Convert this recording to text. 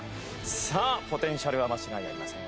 さあポテンシャルは間違いありません。